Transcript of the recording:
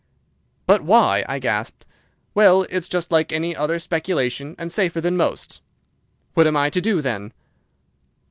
"'But why?' I gasped. "'Well, it's just like any other speculation, and safer than most.' "'What am I to do, then?